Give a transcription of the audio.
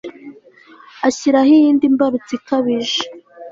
ashyiraho iyindi mbarutso ikabije